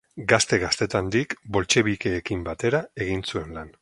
Gazte gaztetandik boltxebikeekin batera egin zuen lan.